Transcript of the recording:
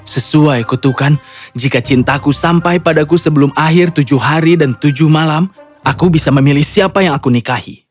sesuai kutukan jika cintaku sampai padaku sebelum akhir tujuh hari dan tujuh malam aku bisa memilih siapa yang aku nikahi